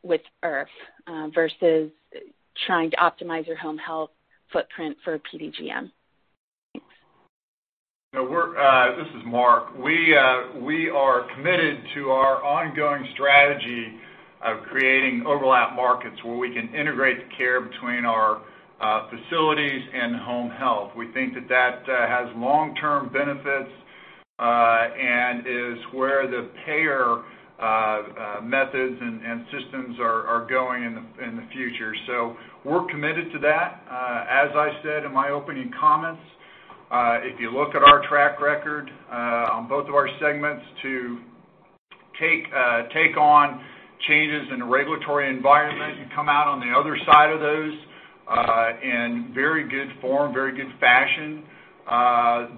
with IRF versus trying to optimize your home health footprint for PDGM? Thanks. This is Mark. We are committed to our ongoing strategy of creating overlap markets where we can integrate the care between our facilities and Home Health. We think that that has long-term benefits, and is where the payer methods and systems are going in the future. We're committed to that. As I said in my opening comments, if you look at our track record on both of our segments to take on changes in the regulatory environment and come out on the other side of those in very good form, very good fashion,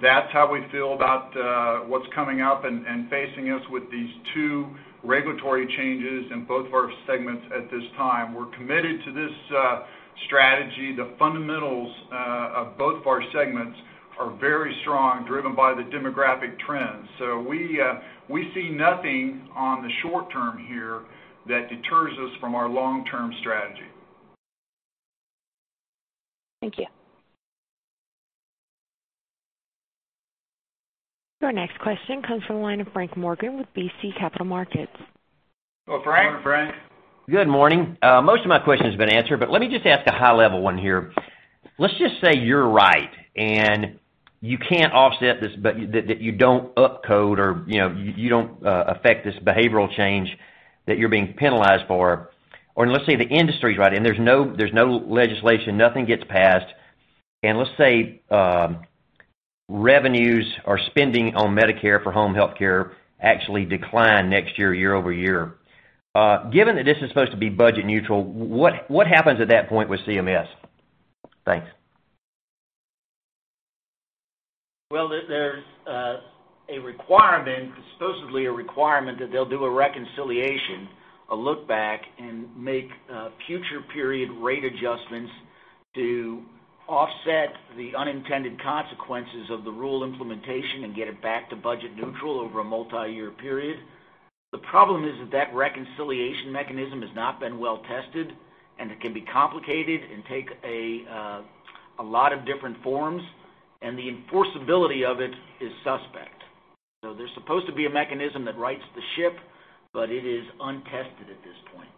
that's how we feel about what's coming up and facing us with these two regulatory changes in both of our segments at this time. We're committed to this strategy. The fundamentals of both of our segments are very strong, driven by the demographic trends. We see nothing on the short term here that deters us from our long-term strategy. Thank you. Your next question comes from the line of Frank Morgan with RBC Capital Markets. Hello, Frank. Good morning, Frank. Good morning. Most of my question has been answered, but let me just ask a high-level one here. Let's just say you're right, and you can't offset this, but that you don't up-code or you don't affect this behavioral change that you're being penalized for. Let's say the industry's right and there's no legislation, nothing gets passed. Let's say, revenues or spending on Medicare for home healthcare actually decline next year over year. Given that this is supposed to be budget neutral, what happens at that point with CMS? Thanks. Well, there's supposedly a requirement that they'll do a reconciliation, a look back, and make future period rate adjustments to offset the unintended consequences of the rule implementation and get it back to budget neutral over a multi-year period. The problem is that that reconciliation mechanism has not been well-tested, and it can be complicated and take a lot of different forms, and the enforceability of it is suspect. There's supposed to be a mechanism that rights the ship, but it is untested at this point.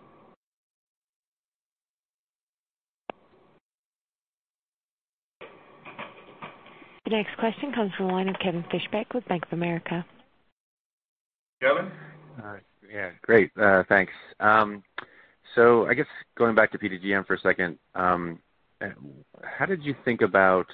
The next question comes from the line of Kevin Fischbeck with Bank of America. Kevin? Hi. Yeah, great, thanks. I guess going back to PDGM for a second, how did you think about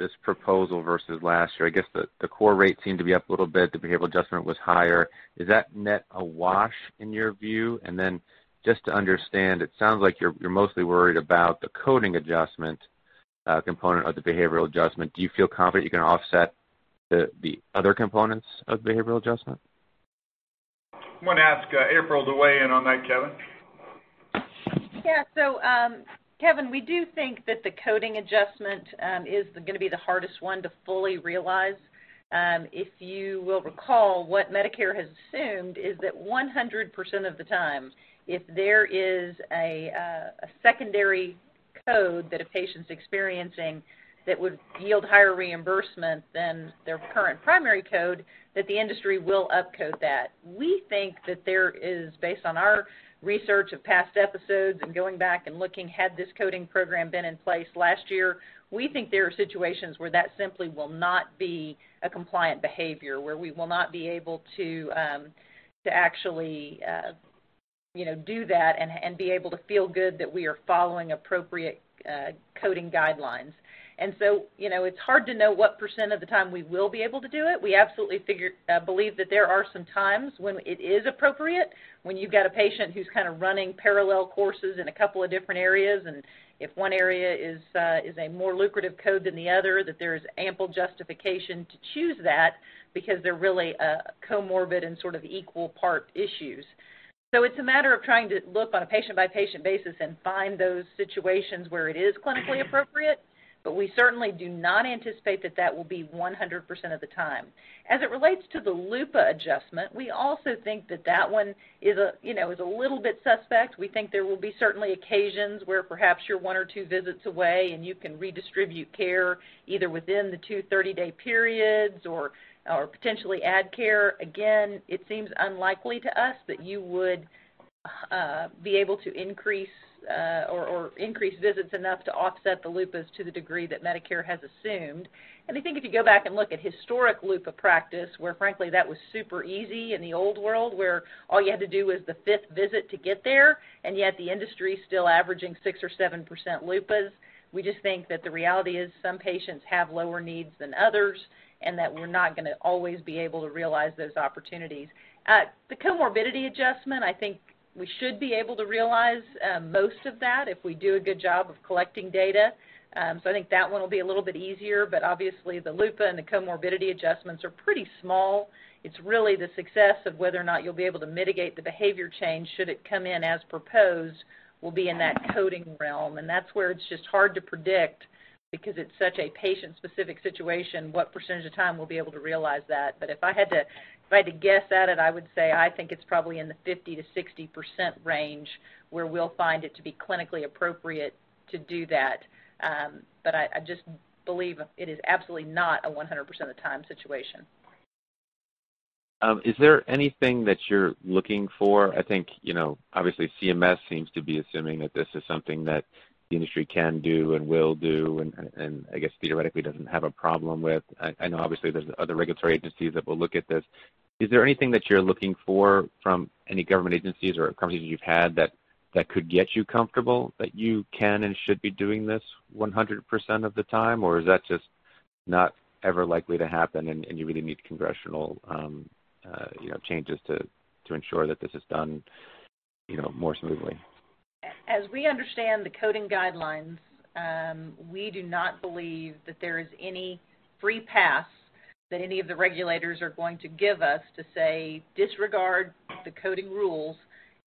this proposal versus last year? I guess the core rate seemed to be up a little bit. The behavioral adjustment was higher. Is that net a wash in your view? Then just to understand, it sounds like you're mostly worried about the coding adjustment component of the behavioral adjustment. Do you feel confident you can offset the other components of behavioral adjustment? I'm going to ask April to weigh in on that, Kevin. Kevin, we do think that the coding adjustment is going to be the hardest one to fully realize. If you will recall, what Medicare has assumed is that 100% of the time, if there is a secondary code that a patient's experiencing that would yield higher reimbursement than their current primary code, that the industry will up-code that. We think that there is, based on our research of past episodes and going back and looking, had this coding program been in place last year, we think there are situations where that simply will not be a compliant behavior, where we will not be able to actually do that and be able to feel good that we are following appropriate coding guidelines. It's hard to know what % of the time we will be able to do it. We absolutely believe that there are some times when it is appropriate, when you've got a patient who's kind of running parallel courses in a couple of different areas, and if one area is a more lucrative code than the other, that there is ample justification to choose that because they're really comorbid and sort of equal part issues. It's a matter of trying to look on a patient-by-patient basis and find those situations where it is clinically appropriate, but we certainly do not anticipate that that will be 100% of the time. As it relates to the LUPA adjustment, we also think that that one is a little bit suspect. We think there will be certainly occasions where perhaps you're one or two visits away and you can redistribute care either within the two 30-day periods or potentially add care. It seems unlikely to us that you would be able to increase visits enough to offset the LUPAs to the degree that Medicare has assumed. I think if you go back and look at historic LUPA practice, where frankly, that was super easy in the old world, where all you had to do was the fifth visit to get there, yet the industry is still averaging 6% or 7% LUPAs. We just think that the reality is some patients have lower needs than others, and that we're not going to always be able to realize those opportunities. The comorbidity adjustment, I think we should be able to realize most of that if we do a good job of collecting data. I think that one will be a little bit easier, but obviously, the LUPA and the comorbidity adjustments are pretty small. It's really the success of whether or not you'll be able to mitigate the behavior change should it come in as proposed will be in that coding realm, and that's where it's just hard to predict because it's such a patient-specific situation, what percentage of time we'll be able to realize that. If I had to guess at it, I would say I think it's probably in the 50%-60% range where we'll find it to be clinically appropriate to do that. I just believe it is absolutely not a 100% of the time situation. Is there anything that you're looking for? I think, obviously CMS seems to be assuming that this is something that the industry can do and will do, and I guess theoretically doesn't have a problem with. I know obviously there's other regulatory agencies that will look at this. Is there anything that you're looking for from any government agencies or conversations you've had that could get you comfortable that you can and should be doing this 100% of the time? Or is that just not ever likely to happen, and you really need congressional changes to ensure that this is done more smoothly? As we understand the coding guidelines, we do not believe that there is any free pass that any of the regulators are going to give us to say, "Disregard the coding rules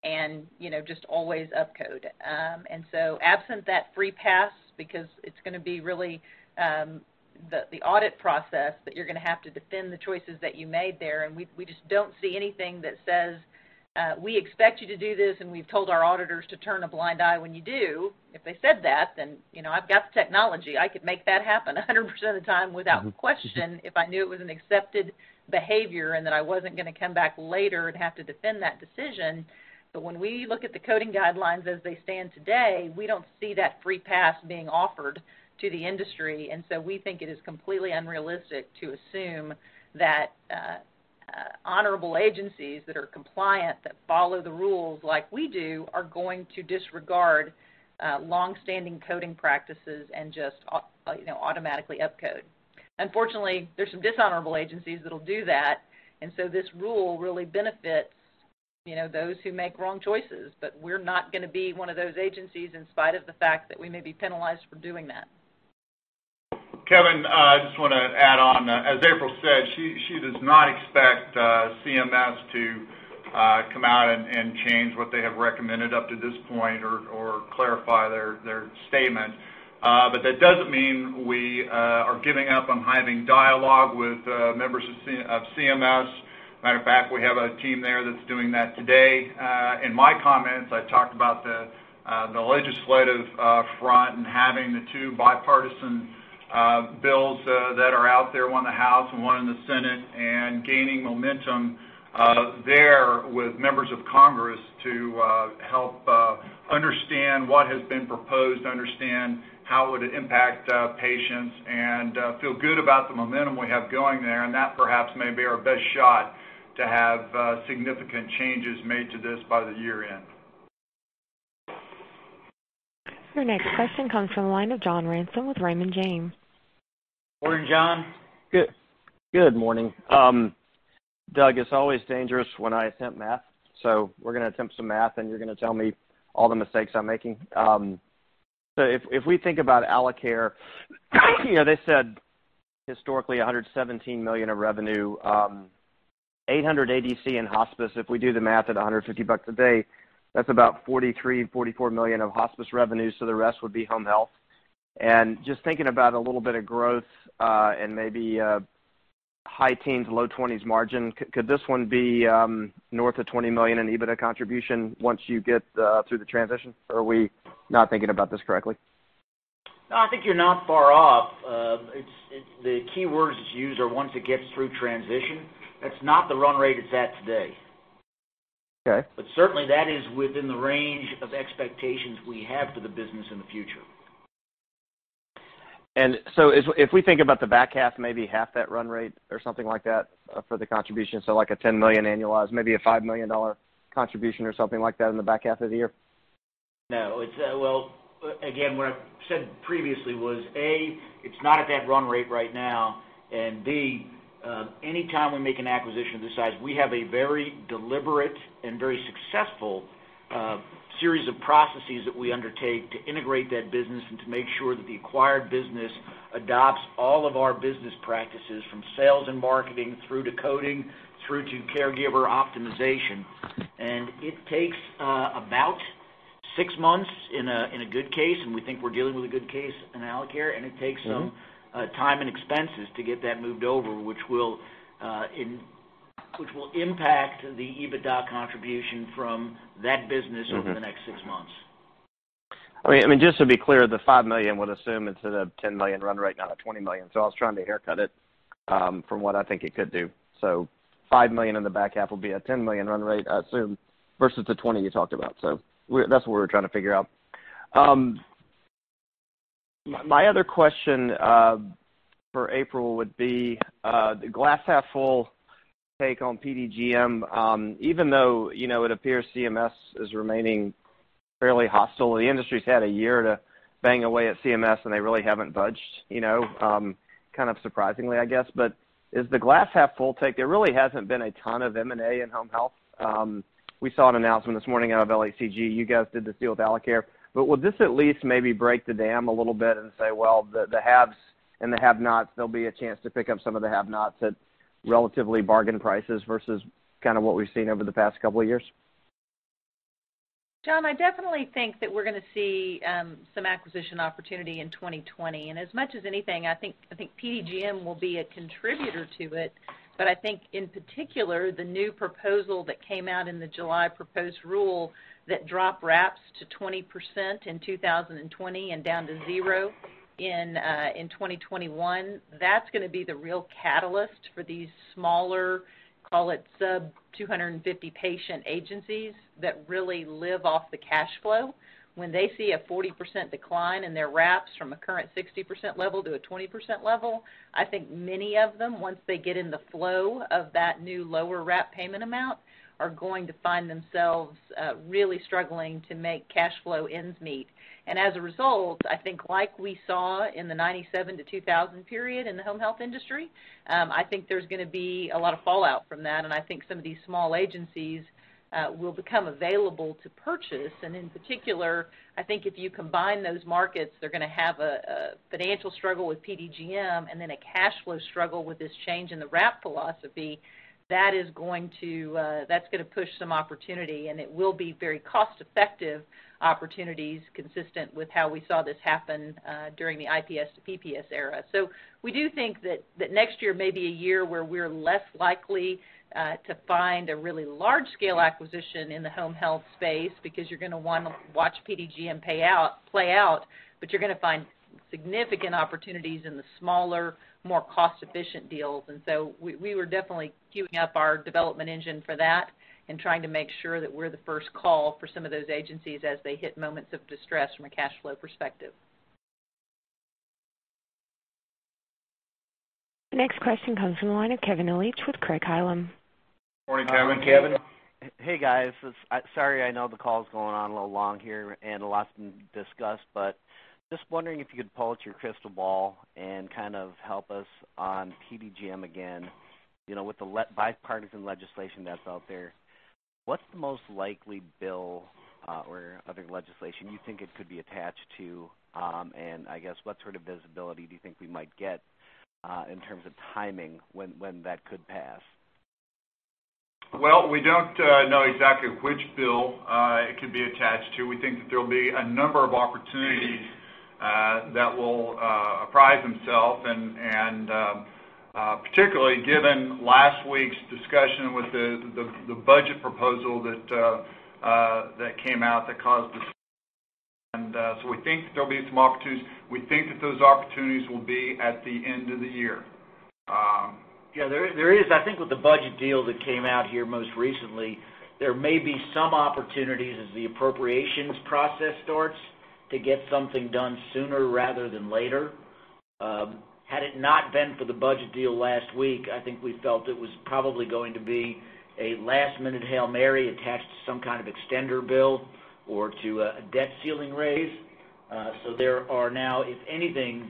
and just always up-code." Absent that free pass, because it's going to be really the audit process that you're going to have to defend the choices that you made there, and we just don't see anything that says, "We expect you to do this, and we've told our auditors to turn a blind eye when you do." If they said that, I've got the technology. I could make that happen 100% of the time without question if I knew it was an accepted behavior and that I wasn't going to come back later and have to defend that decision. When we look at the coding guidelines as they stand today, we don't see that free pass being offered to the industry. We think it is completely unrealistic to assume that honorable agencies that are compliant, that follow the rules like we do, are going to disregard longstanding coding practices and just automatically up-code. Unfortunately, there's some dishonorable agencies that'll do that. This rule really benefits those who make wrong choices. We're not going to be one of those agencies in spite of the fact that we may be penalized for doing that. Kevin, I just want to add on. As April said, she does not expect CMS to come out and change what they have recommended up to this point or clarify their statement. That doesn't mean we are giving up on having dialogue with members of CMS. Matter of fact, we have a team there that's doing that today. In my comments, I talked about the legislative front and having the two bipartisan bills that are out there, one in the House and one in the Senate, and gaining momentum there with members of Congress to help understand what has been proposed, to understand how it would impact patients, and feel good about the momentum we have going there. That perhaps may be our best shot to have significant changes made to this by the year-end. Your next question comes from the line of John Ransom with Raymond James. Morning, John. Good morning. Doug, it's always dangerous when I attempt math, we're going to attempt some math, and you're going to tell me all the mistakes I'm making. If we think about Alacare, they said historically, $117 million of revenue, 800 ADC in hospice. If we do the math at $150 a day, that's about $43 million, $44 million of hospice revenue, so the rest would be home health. Just thinking about a little bit of growth and maybe high teens, low twenties margin, could this one be north of $20 million in EBITDA contribution once you get through the transition? Are we not thinking about this correctly? No, I think you're not far off. The keywords that you used are once it gets through transition. That's not the run rate it's at today. Okay. Certainly that is within the range of expectations we have for the business in the future. If we think about the back half, maybe half that run rate or something like that for the contribution, so like a $10 million annualized, maybe a $5 million contribution or something like that in the back half of the year? No. Well, again, what I've said previously was, A, it's not at that run rate right now, and B, anytime we make an acquisition of this size, we have a very deliberate and very successful series of processes that we undertake to integrate that business and to make sure that the acquired business adopts all of our business practices, from sales and marketing through to coding, through to caregiver optimization. It takes about six months in a good case, and we think we're dealing with a good case in Alacare. It takes some time and expenses to get that moved over, which will impact the EBITDA contribution from that business over the next six months. The $5 million would assume it's at a $10 million run rate, not a $20 million. I was trying to haircut it from what I think it could do. $5 million in the back half will be a $10 million run rate, I assume, versus the $20 million you talked about. That's what we were trying to figure out. My other question for April would be the glass-half-full take on PDGM, even though it appears CMS is remaining fairly hostile. The industry's had a year to bang away at CMS, and they really haven't budged, kind of surprisingly, I guess. Is the glass half full take? There really hasn't been a ton of M&A in home health. We saw an announcement this morning out of LHC Group. You guys did the deal with Alacare. Will this at least maybe break the dam a little bit and say, well, the haves and the have-nots, there'll be a chance to pick up some of the have-nots at relatively bargain prices versus what we've seen over the past couple of years? John, I definitely think that we're going to see some acquisition opportunity in 2020. As much as anything, I think PDGM will be a contributor to it. I think, in particular, the new proposal that came out in the July proposed rule that dropped RAPs to 20% in 2020 and down to zero in 2021, that's going to be the real catalyst for these smaller, call it sub-250-patient agencies that really live off the cash flow. When they see a 40% decline in their RAPs from a current 60% level to a 20% level, I think many of them, once they get in the flow of that new lower RAP payment amount, are going to find themselves really struggling to make cash flow ends meet. As a result, I think like we saw in the 1997 to 2000 period in the home health industry, I think there's going to be a lot of fallout from that, and I think some of these small agencies will become available to purchase. In particular, I think if you combine those markets, they're going to have a financial struggle with PDGM and then a cash flow struggle with this change in the RAP philosophy. That's going to push some opportunity, and it will be very cost-effective opportunities consistent with how we saw this happen during the IPS to PPS era. We do think that next year may be a year where we're less likely to find a really large-scale acquisition in the home health space because you're going to want to watch PDGM play out, but you're going to find significant opportunities in the smaller, more cost-efficient deals. We were definitely queuing up our development engine for that and trying to make sure that we're the first call for some of those agencies as they hit moments of distress from a cash flow perspective. Next question comes from the line of Kevin Ellich with Craig-Hallum. Morning, Kevin. Hey, guys. Sorry, I know the call's going on a little long here and a lot's been discussed, but just wondering if you could pull out your crystal ball and kind of help us on PDGM again. With the bipartisan legislation that's out there, what's the most likely bill or other legislation you think it could be attached to? I guess what sort of visibility do you think we might get in terms of timing when that could pass? Well, we don't know exactly which bill it could be attached to. We think that there'll be a number of opportunities that will arise, and particularly given last week's discussion with the budget proposal that came out. We think that there'll be some opportunities. We think that those opportunities will be at the end of the year. Yeah, there is. I think with the budget deal that came out here most recently, there may be some opportunities as the appropriations process starts to get something done sooner rather than later. Had it not been for the budget deal last week, I think we felt it was probably going to be a last-minute Hail Mary attached to some kind of extender bill or to a debt ceiling raise. There are now, if anything,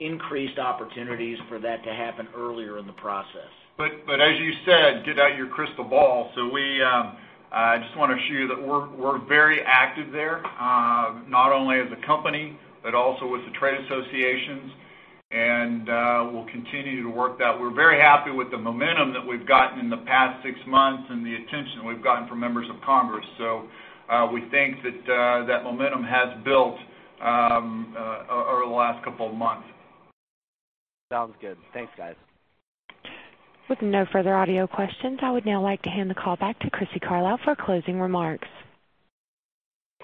increased opportunities for that to happen earlier in the process. As you said, get out your crystal ball. We just want to assure you that we're very active there, not only as a company, but also with the trade associations, and we'll continue to work that. We're very happy with the momentum that we've gotten in the past six months and the attention we've gotten from members of Congress. We think that that momentum has built over the last couple of months. Sounds good. Thanks, guys. With no further audio questions, I would now like to hand the call back to Crissy Carlisle for closing remarks.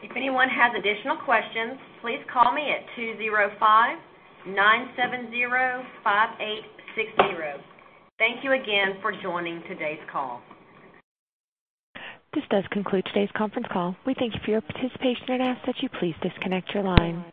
If anyone has additional questions, please call me at 205 970 5860. Thank you again for joining today's call. This does conclude today's conference call. We thank you for your participation and ask that you please disconnect your line.